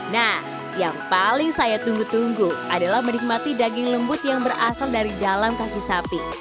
nah yang paling saya tunggu tunggu adalah menikmati daging lembut yang berasal dari dalam kaki sapi